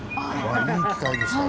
いい機会でしたよ。